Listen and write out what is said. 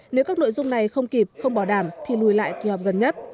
nếu các nội dung này không kịp không bảo đảm thì lùi lại kỳ họp gần nhất